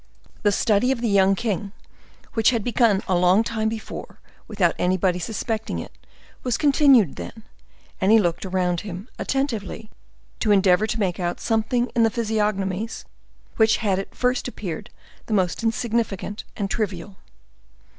The study of the young king, which had begun a long time before, without anybody suspecting it, was continued then, and he looked around him attentively to endeavor to make out something in the physiognomies which had at first appeared the most insignificant and trivial.